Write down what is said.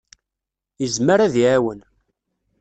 Yezmer ad d-iɛawen.